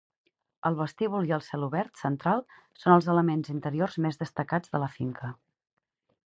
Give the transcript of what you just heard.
El vestíbul i el celobert central són els elements interiors més destacats de la finca.